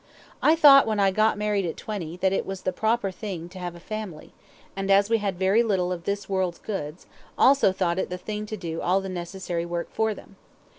I thought, when I got married at twenty, that it was the proper thing to have a family, and, as we had very little of this world's goods, also thought it the thing to do all the necessary work for them.